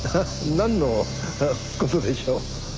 なんの事でしょう？